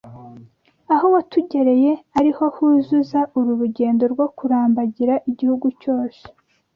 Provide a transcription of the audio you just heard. aho watugereye ari ho huzuza uru rugendo rwo kurambagira igihugu cyose